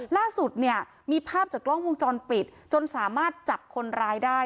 ล่าสุดเนี่ยมีภาพจากกล้องวงจรปิดจนสามารถจับคนร้ายได้